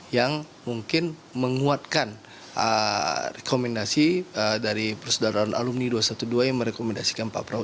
yang mungkin menguatkan rekomendasi dari persadaran alumni dua ratus dua belas yang merekomendasikan pak prabowo